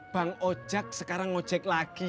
bang ojak sekarang ngojek lagi